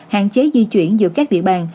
hạn chế di chuyển giữa các địa bàn